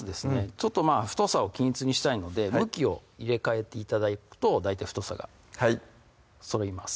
ちょっとまぁ太さを均一にしたいので向きを入れ替えて頂くと大体太さがそろいます